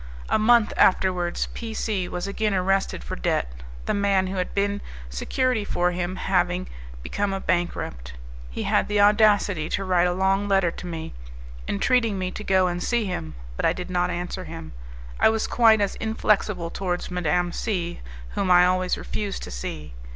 A month afterwards P C was again arrested for debt, the man who had been security for him having become a bankrupt. He had the audacity to write a long letter to me, entreating me to go and see him, but I did not answer him. I was quite as inflexible towards Madame C , whom I always refused to see.